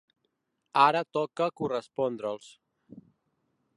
Ara toca correspondre’ls.